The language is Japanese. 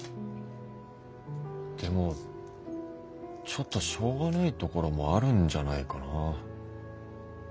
でもちょっとしょうがないところもあるんじゃないかな。